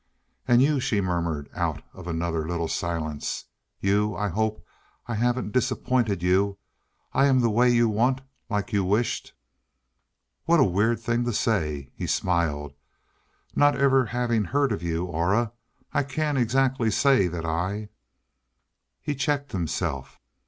"And you," she murmured out of another little silence, "you I hope I haven't disappointed you. I am the way you want like you wished " What a weird thing to say! He smiled. "Not ever having heard of you, Aura, I can't exactly say that I "He checked himself.